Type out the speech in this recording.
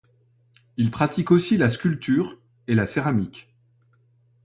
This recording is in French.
Il pratique aussi la sculpture et la céramique.